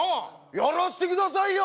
やらしてくださいよ！